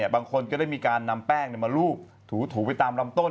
บางคนก็ได้มีการนำแป้งมารูปถูไปตามลำต้น